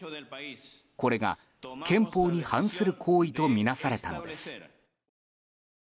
これが憲法に反する行為とみなされたのです。